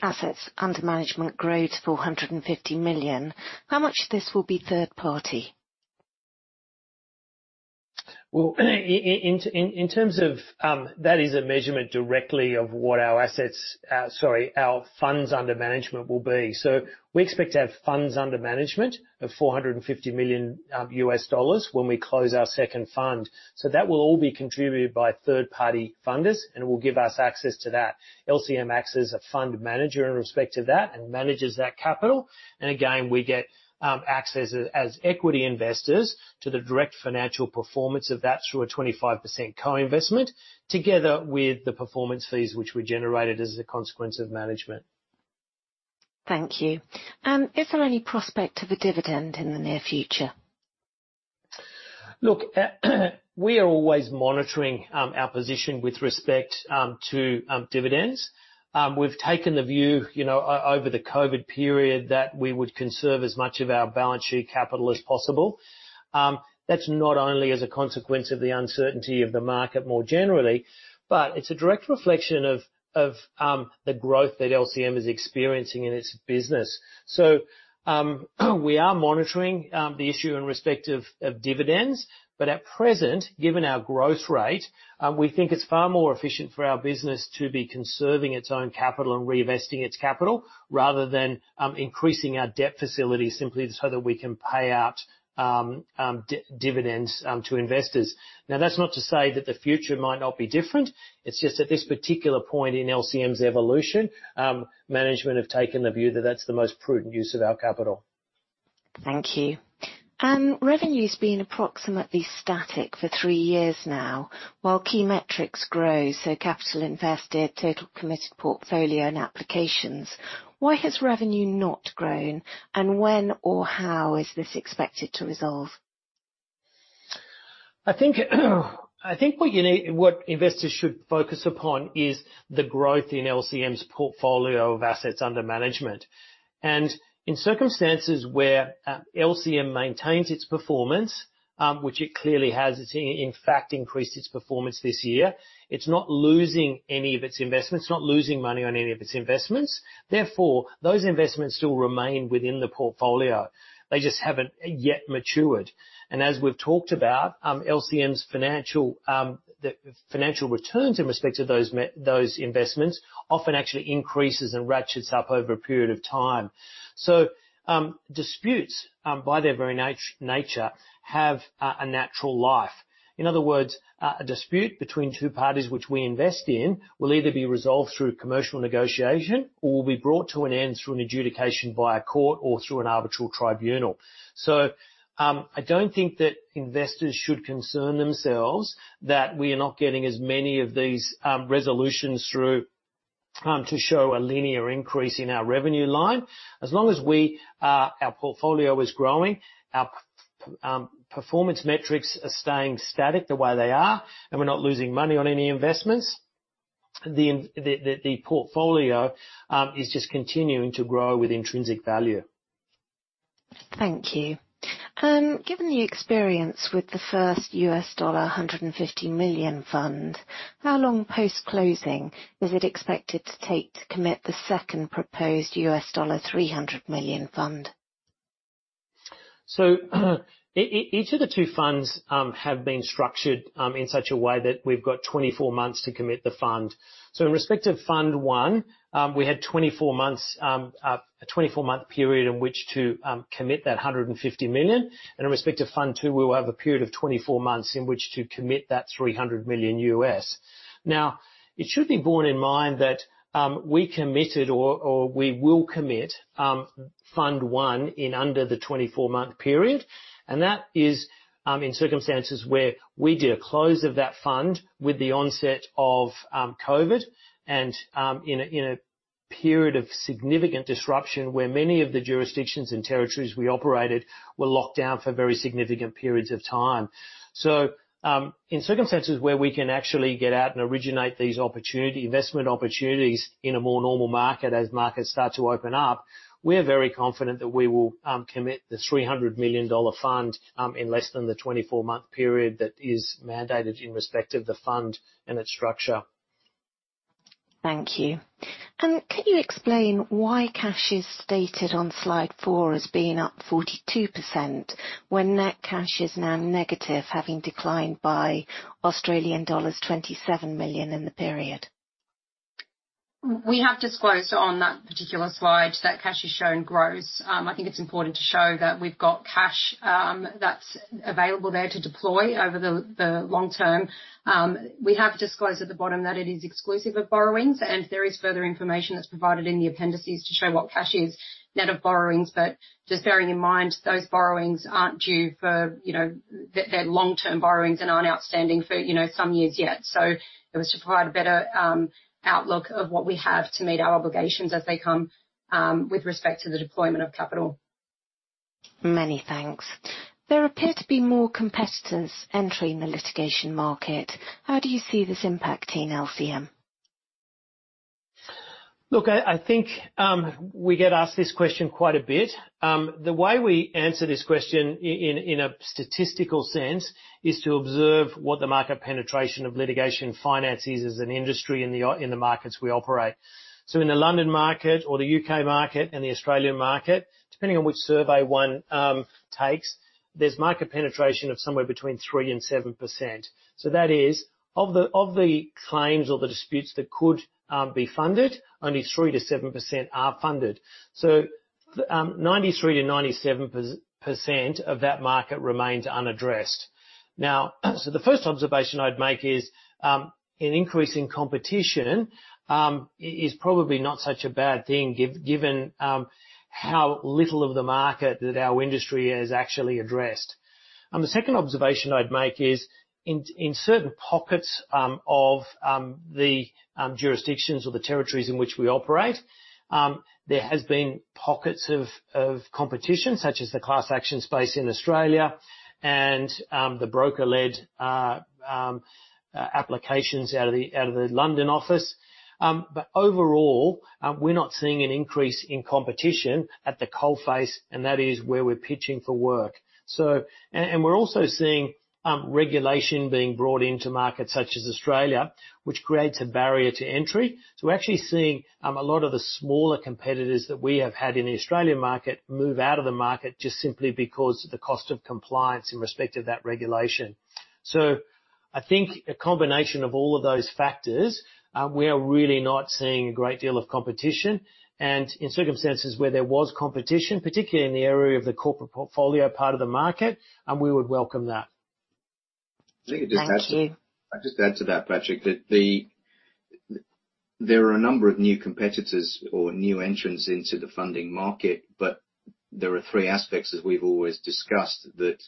assets under management grow to 450 million, how much of this will be third party? Well, in terms of that is a measurement directly of what our funds under management will be. We expect to have funds under management of $450 million when we close our second fund. That will all be contributed by third party funders, and it will give us access to that. LCM acts as a fund manager in respect to that and manages that capital. Again, we get access as equity investors to the direct financial performance of that through a 25% co-investment together with the performance fees which were generated as a consequence of management. Thank you. Is there any prospect of a dividend in the near future? Look, we are always monitoring our position with respect to dividends. We've taken the view over the COVID period that we would conserve as much of our balance sheet capital as possible. That's not only as a consequence of the uncertainty of the market more generally, but it's a direct reflection of the growth that LCM is experiencing in its business. We are monitoring the issue in respect of dividends, but at present, given our growth rate, we think it's far more efficient for our business to be conserving its own capital and reinvesting its capital rather than increasing our debt facility simply so that we can pay out dividends to investors. Now, that's not to say that the future might not be different. It's just at this particular point in LCM's evolution, management have taken the view that that's the most prudent use of our capital. Thank you. Revenue's been approximately static for three years now, while key metrics grow, so capital invested, total committed portfolio, and applications. Why has revenue not grown, and when or how is this expected to resolve? I think what investors should focus upon is the growth in LCM's portfolio of assets under management. In circumstances where LCM maintains its performance, which it clearly has, it's in fact increased its performance this year. It's not losing any of its investments. It's not losing money on any of its investments. Therefore, those investments still remain within the portfolio. They just haven't yet matured. As we've talked about, LCM's financial, the financial returns in respect to those investments often actually increases and ratchets up over a period of time. Disputes, by their very nature, have a natural life. In other words, a dispute between two parties which we invest in will either be resolved through commercial negotiation or will be brought to an end through an adjudication by a court or through an arbitral tribunal. I don't think that investors should concern themselves that we are not getting as many of these resolutions through to show a linear increase in our revenue line. As long as our portfolio is growing, our performance metrics are staying static the way they are, and we're not losing money on any investments, the portfolio is just continuing to grow with intrinsic value. Thank you. Given the experience with the first U.S. dollar $150 million fund, how long post-closing is it expected to take to commit the second proposed U.S. dollar $300 million fund? Each of the two funds have been structured in such a way that we've got 24 months to commit the fund. In respect of Fund I, we had a 24-month period in which to commit that 150 million, and in respect of Fund II, we will have a period of 24 months in which to commit that 300 million. Now, it should be borne in mind that we committed or we will commit Fund I in under the 24-month period, and that is in circumstances where we did a close of that fund with the onset of COVID and in a period of significant disruption where many of the jurisdictions and territories we operated were locked down for very significant periods of time. In circumstances where we can actually get out and originate these investment opportunities in a more normal market as markets start to open up, we are very confident that we will commit the 300 million dollar fund in less than the 24-month period that is mandated in respect of the fund and its structure. Thank you. Can you explain why cash is stated on Slide 4 as being up 42% when net cash is now negative, having declined by Australian dollars 27 million in the period? We have disclosed on that particular slide that cash is shown gross. I think it's important to show that we've got cash that's available there to deploy over the long term. We have disclosed at the bottom that it is exclusive of borrowings, and there is further information that's provided in the appendices to show what cash is net of borrowings. Just bearing in mind, they're long-term borrowings and aren't outstanding for some years yet. It was to provide a better outlook of what we have to meet our obligations as they come with respect to the deployment of capital. Many thanks. There appear to be more competitors entering the litigation market. How do you see this impacting LCM? Look, I think we get asked this question quite a bit. The way we answer this question in a statistical sense is to observe what the market penetration of litigation finance is as an industry in the markets we operate. In the London market or the U.K. market and the Australian market, depending on which survey one takes, there's market penetration of somewhere between 3% and 7%. That is, of the claims or the disputes that could be funded, only 3%-7% are funded. 93%-97% of that market remains unaddressed. The first observation I'd make is, an increase in competition is probably not such a bad thing given how little of the market that our industry has actually addressed. The second observation I'd make is, in certain pockets of the jurisdictions or the territories in which we operate, there has been pockets of competition, such as the class action space in Australia and the broker-led applications out of the London office. Overall, we're not seeing an increase in competition at the coalface, and that is where we're pitching for work. We're also seeing regulation being brought into markets such as Australia, which creates a barrier to entry. We're actually seeing a lot of the smaller competitors that we have had in the Australian market move out of the market just simply because of the cost of compliance in respect of that regulation. I think a combination of all of those factors, we are really not seeing a great deal of competition. In circumstances where there was competition, particularly in the area of the corporate portfolio part of the market, we would welcome that. Thank you. I'll just add to that, Patrick, that there are a number of new competitors or new entrants into the funding market, but there are three aspects, as we've always discussed, that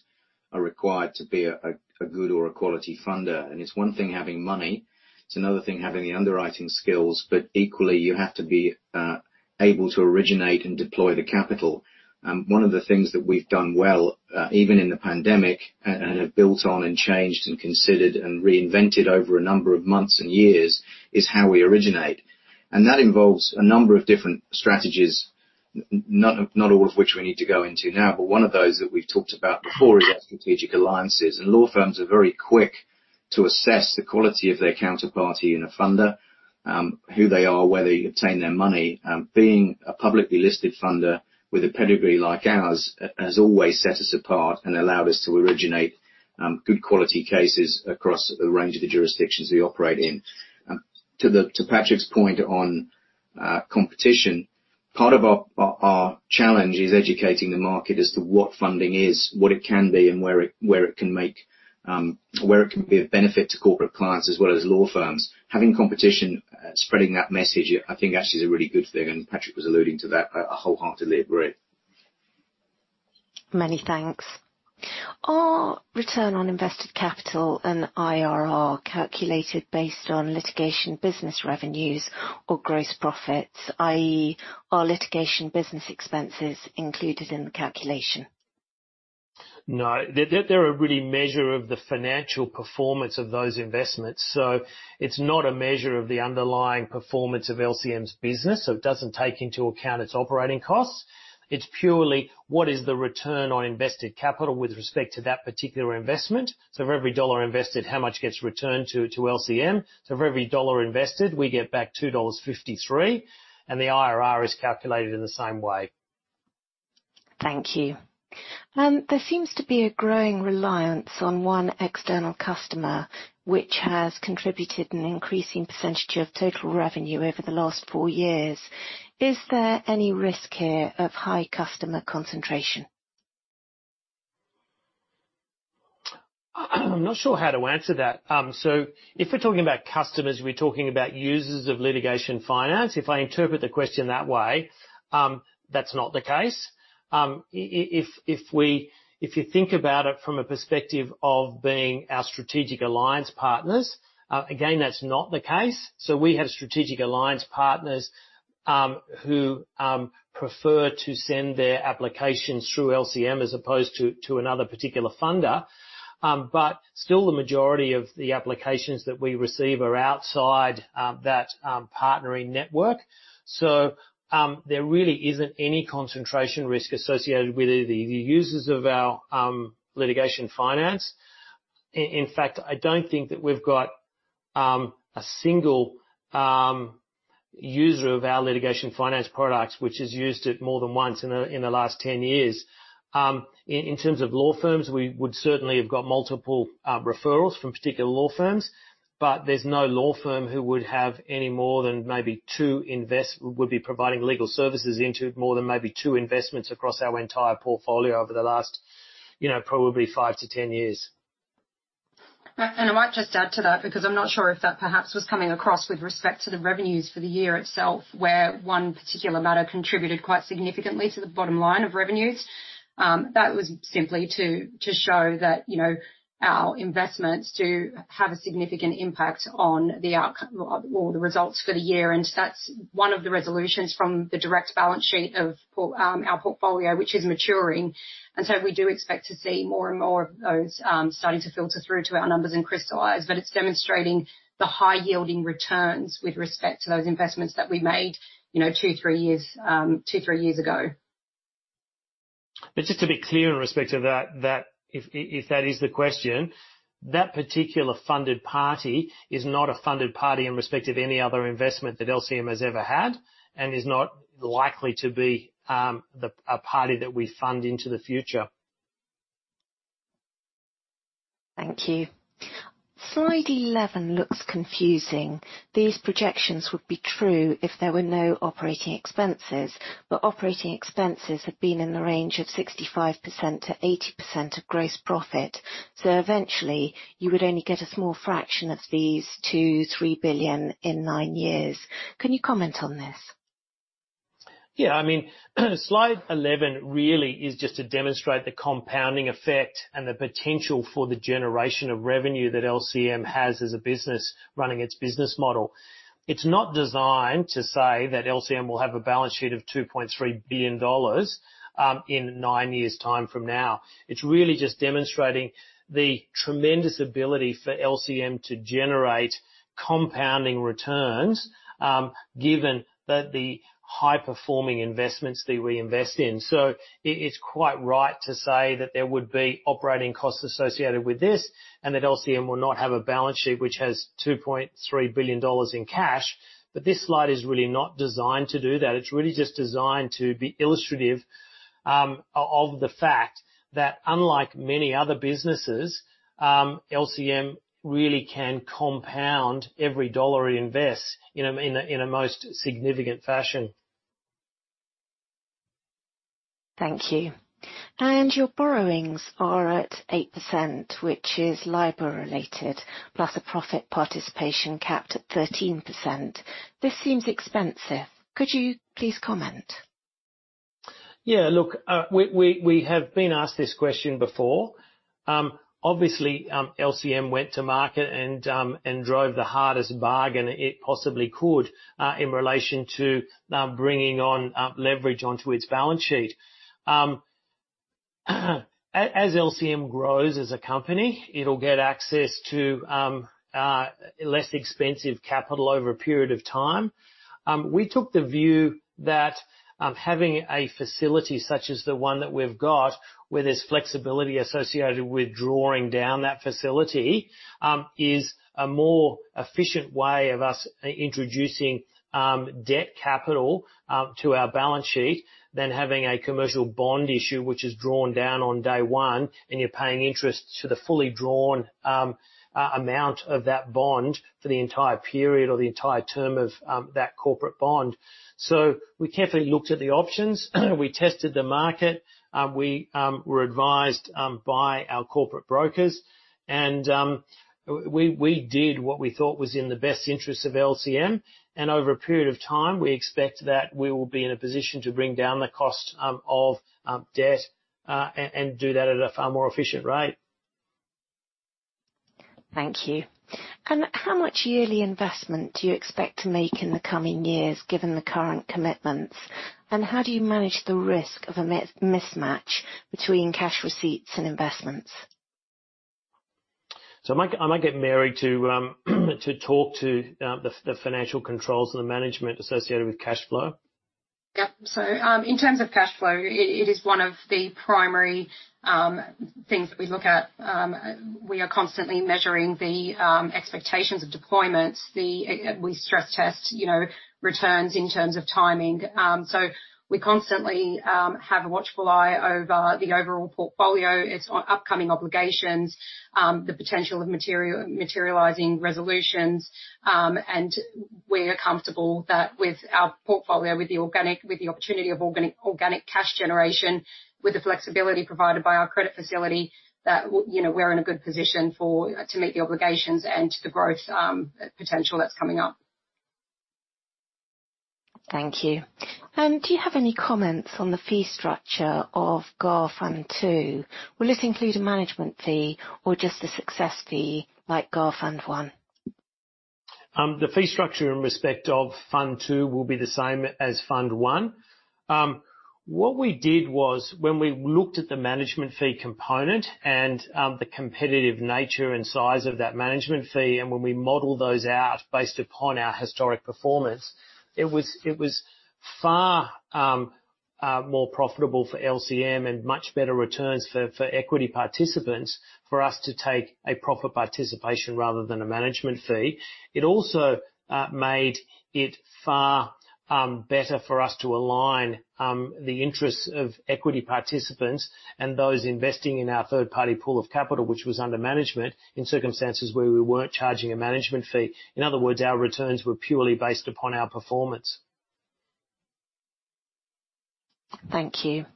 are required to be a good or a quality funder. It's one thing having money, it's another thing having the underwriting skills, but equally, you have to be able to originate and deploy the capital. One of the things that we've done well, even in the pandemic, and have built on and changed and considered and reinvented over a number of months and years, is how we originate. That involves a number of different strategies, not all of which we need to go into now. One of those that we've talked about before is our strategic alliances. Law firms are very quick to assess the quality of their counterparty in a funder, who they are, where they obtain their money. Being a publicly listed funder with a pedigree like ours has always set us apart and allowed us to originate good quality cases across a range of the jurisdictions we operate in. To Patrick's point on competition, part of our challenge is educating the market as to what funding is, what it can be, and where it can be of benefit to corporate clients as well as law firms. Having competition, spreading that message, I think actually is a really good thing, and Patrick was alluding to that. I wholeheartedly agree. Many thanks. Are return on invested capital and IRR calculated based on litigation business revenues or gross profits, i.e., are litigation business expenses included in the calculation? No. They're a really measure of the financial performance of those investments. It's not a measure of the underlying performance of LCM's business. It doesn't take into account its operating costs. It's purely what is the return on invested capital with respect to that particular investment. For every AUD invested, how much gets returned to LCM? For every AUD invested, we get back 2.53 dollars, and the IRR is calculated in the same way. Thank you. There seems to be a growing reliance on 1 external customer, which has contributed an increasing percentage of total revenue over the last four years. Is there any risk here of high customer concentration? I'm not sure how to answer that. If we're talking about customers, we're talking about users of litigation finance. If I interpret the question that way, that's not the case. If you think about it from a perspective of being our strategic alliance partners, again, that's not the case. We have strategic alliance partners who prefer to send their applications through LCM as opposed to another particular funder. Still the majority of the applications that we receive are outside that partnering network. There really isn't any concentration risk associated with the users of our litigation finance. In fact, I don't think that we've got a single user of our litigation finance products which has used it more than once in the last 10 years. In terms of law firms, we would certainly have got multiple referrals from particular law firms, but there's no law firm who would have any more than maybe two investments would be providing legal services into more than maybe two investments across our entire portfolio over the last probably 5-10 years. I might just add to that, because I'm not sure if that perhaps was coming across with respect to the revenues for the year itself, where 1 particular matter contributed quite significantly to the bottom line of revenues. That was simply to show that our investments do have a significant impact on the outcome or the results for the year, and that's 1 of the resolutions from the direct balance sheet of our portfolio, which is maturing. We do expect to see more and more of those starting to filter through to our numbers and crystallize. It's demonstrating the high yielding returns with respect to those investments that we made two, three years ago. Just to be clear in respect of that, if that is the question, that particular funded party is not a funded party in respect of any other investment that LCM has ever had, and is not likely to be a party that we fund into the future. Thank you. Slide 11 looks confusing. These projections would be true if there were no operating expenses, but operating expenses have been in the range of 65%-80% of gross profit. Eventually, you would only get a small fraction of these 2 billion-3 billion in nine years. Can you comment on this? Slide 11 really is just to demonstrate the compounding effect and the potential for the generation of revenue that LCM has as a business running its business model. It's not designed to say that LCM will have a balance sheet of 2.3 billion dollars in nine years' time from now. It's really just demonstrating the tremendous ability for LCM to generate compounding returns, given that the high-performing investments that we invest in. It is quite right to say that there would be operating costs associated with this, and that LCM will not have a balance sheet which has 2.3 billion dollars in cash. This slide is really not designed to do that. It's really just designed to be illustrative of the fact that unlike many other businesses, LCM really can compound every dollar it invests in a most significant fashion. Thank you. Your borrowings are at 8%, which is LIBOR related, plus a profit participation capped at 13%. This seems expensive. Could you please comment? Look, we have been asked this question before. LCM went to market and drove the hardest bargain it possibly could, in relation to bringing on leverage onto its balance sheet. As LCM grows as a company, it'll get access to less expensive capital over a period of time. We took the view that having a facility such as the one that we've got, where there's flexibility associated with drawing down that facility, is a more efficient way of us introducing debt capital to our balance sheet than having a commercial bond issue which is drawn down on day one, and you're paying interest to the fully drawn amount of that bond for the entire period or the entire term of that corporate bond. We carefully looked at the options. We tested the market. We were advised by our corporate brokers. We did what we thought was in the best interest of LCM. Over a period of time, we expect that we will be in a position to bring down the cost of debt, and do that at a far more efficient rate. Thank you. How much yearly investment do you expect to make in the coming years, given the current commitments? How do you manage the risk of a mismatch between cash receipts and investments? I might get Mary to talk to the financial controls and the management associated with cash flow. Yep. In terms of cash flow, it is one of the primary things that we look at. We are constantly measuring the expectations of deployments. We stress test returns in terms of timing. We constantly have a watchful eye over the overall portfolio, its upcoming obligations, the potential of materializing resolutions. We're comfortable that with our portfolio, with the opportunity of organic cash generation, with the flexibility provided by our credit facility, that we're in a good position to meet the obligations and the growth potential that's coming up. Thank you. Do you have any comments on the fee structure of GAR Fund II? Will it include a management fee or just a success fee like GAR Fund I? The fee structure in respect of Fund II will be the same as Fund I. What we did was when we looked at the management fee component and the competitive nature and size of that management fee, and when we modeled those out based upon our historic performance, it was far more profitable for LCM and much better returns for equity participants for us to take a profit participation rather than a management fee. It also made it far better for us to align the interests of equity participants and those investing in our third-party pool of capital, which was under management, in circumstances where we weren't charging a management fee. In other words, our returns were purely based upon our performance. Thank you.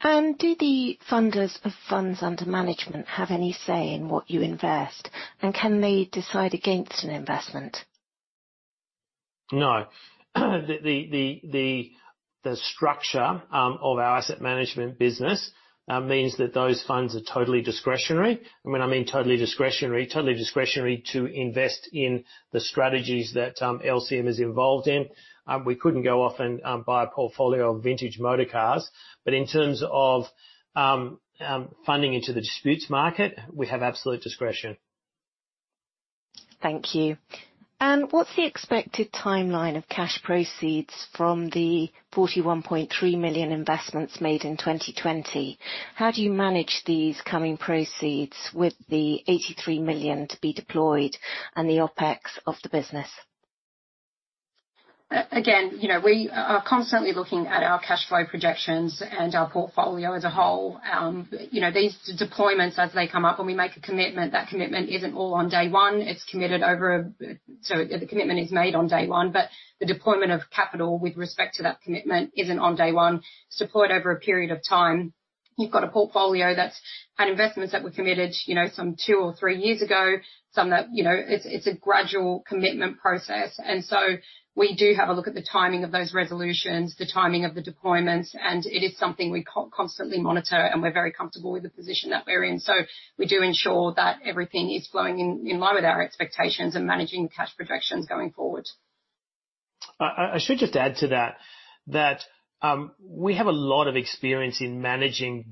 Do the funders of funds under management have any say in what you invest? Can they decide against an investment? No. The structure of our asset management business means that those funds are totally discretionary. When I mean totally discretionary, totally discretionary to invest in the strategies that LCM is involved in. We couldn't go off and buy a portfolio of vintage motor cars. In terms of funding into the disputes market, we have absolute discretion. Thank you. What's the expected timeline of cash proceeds from the 41.3 million investments made in 2020? How do you manage these coming proceeds with the 83 million to be deployed and the OpEx of the business? We are constantly looking at our cash flow projections and our portfolio as a whole. These deployments as they come up, when we make a commitment, that commitment isn't all on day one. The commitment is made on day one but the deployment of capital with respect to that commitment isn't on day one. It's deployed over a period of time. You've got a portfolio that's had investments that were committed some two or three years ago. It's a gradual commitment process. We do have a look at the timing of those resolutions, the timing of the deployments, and it is something we constantly monitor, and we're very comfortable with the position that we're in. We do ensure that everything is flowing in line with our expectations and managing cash projections going forward. I should just add to that we have a lot of experience in managing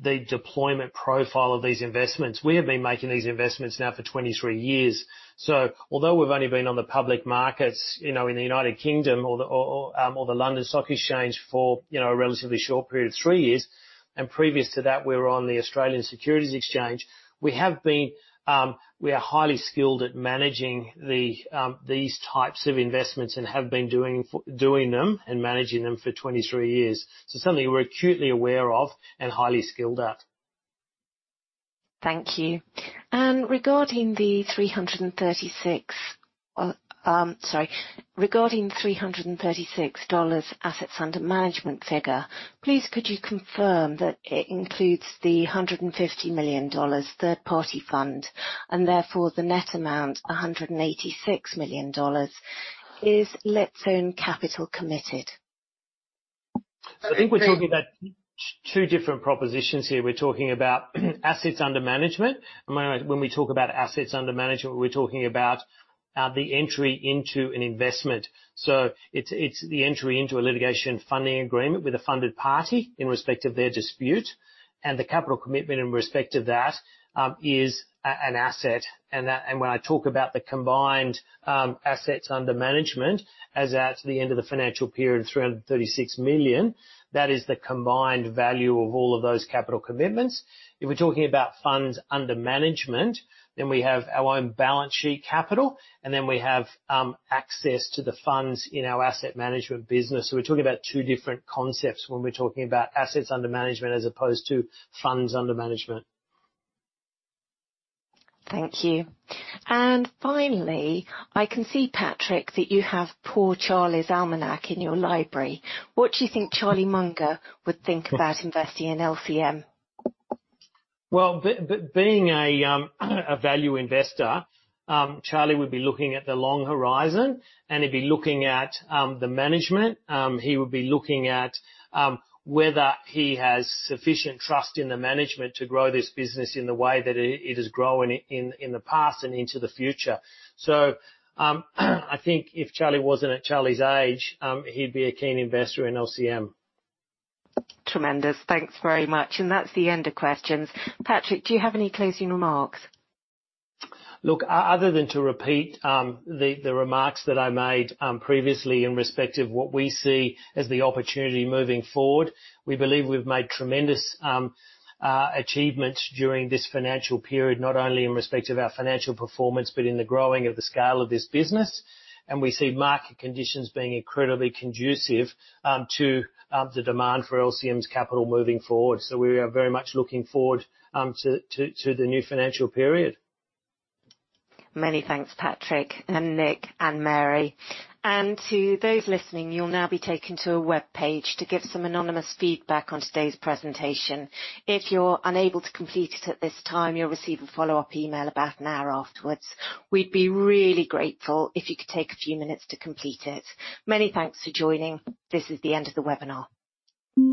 the deployment profile of these investments. We have been making these investments now for 23 years. Although we've only been on the public markets in the U.K. or the London Stock Exchange for a relatively short period of three years, and previous to that, we were on the Australian Securities Exchange. We are highly skilled at managing these types of investments and have been doing them and managing them for 23 years. Something we're acutely aware of and highly skilled at. Thank you. Regarding 336 dollars assets under management figure, please could you confirm that it includes the 150 million dollars third-party fund, therefore the net amount, 186 million dollars, is LCM capital committed? I think we're talking about two different propositions here. We're talking about assets under management. When we talk about assets under management, we're talking about the entry into an investment. It's the entry into a litigation funding agreement with a funded party in respect of their dispute, and the capital commitment in respect to that is an asset. When I talk about the combined assets under management as at the end of the financial period, 336 million, that is the combined value of all of those capital commitments. If we're talking about funds under management, then we have our own balance sheet capital, and then we have access to the funds in our asset management business. We're talking about two different concepts when we're talking about assets under management as opposed to funds under management. Thank you. Finally, I can see, Patrick, that you have Poor Charlie's Almanack in your library. What do you think Charlie Munger would think about investing in LCM? Well, being a value investor, Charlie would be looking at the long horizon, and he'd be looking at the management. He would be looking at whether he has sufficient trust in the management to grow this business in the way that it has grown in the past and into the future. I think if Charlie wasn't at Charlie's age, he'd be a keen investor in LCM. Tremendous. Thanks very much. That's the end of questions. Patrick, do you have any closing remarks? Look, other than to repeat the remarks that I made previously in respect of what we see as the opportunity moving forward, we believe we've made tremendous achievements during this financial period, not only in respect of our financial performance, but in the growing of the scale of this business. We see market conditions being incredibly conducive to the demand for LCM's capital moving forward. We are very much looking forward to the new financial period. Many thanks, Patrick and Nick and Mary. To those listening, you'll now be taken to a webpage to give some anonymous feedback on today's presentation. If you're unable to complete it at this time, you'll receive a follow-up email about an hour afterwards. We'd be really grateful if you could take a few minutes to complete it. Many thanks for joining. This is the end of the webinar.